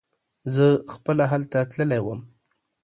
زه خپله هلته تللی وم.